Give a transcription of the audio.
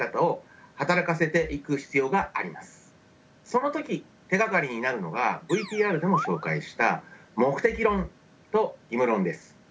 その時手がかりになるのがＶＴＲでも紹介した目的論と義務論です。